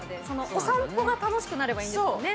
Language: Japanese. お散歩が楽しくなればいいんですよね。